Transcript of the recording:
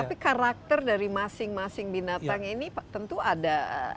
tapi karakter dari masing masing binatang ini tentu ada